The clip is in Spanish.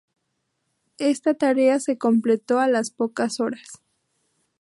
Esta tarea se completó a las pocas horas.